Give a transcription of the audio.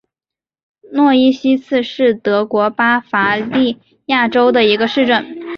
诺伊西茨是德国巴伐利亚州的一个市镇。